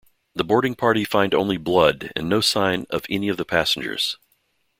The boarding party find only blood and no sign of any of the passengers.